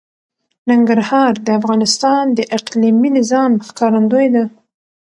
ننګرهار د افغانستان د اقلیمي نظام ښکارندوی ده.